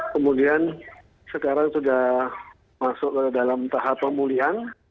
kemudian sekarang sudah masuk ke dalam tahap pemulihan